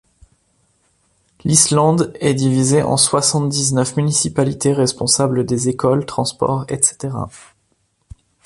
L'Islande est divisée en soixante-dix-neuf municipalités responsables des écoles, transports, etc.